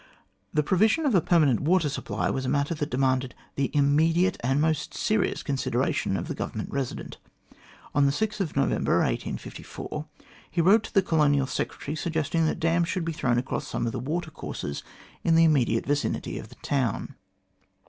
The provision of a permanent water supply was a matter that demanded the immediate and most serious consideration of the Government Resident. On November 6, 1854, he wrote to the Colonial Secretary, suggesting that dams should be thrown across some of the water courses in the immediate vicinity of the town.